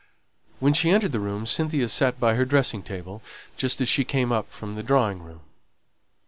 When she entered the room Cynthia sate by her dressing table, just as she had come up from the drawing room.